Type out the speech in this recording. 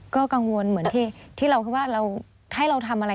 ก็กังวลเหมือนที่เราคิดว่าเราให้เราทำอะไร